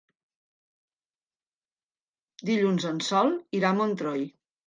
Dilluns en Sol irà a Montroi.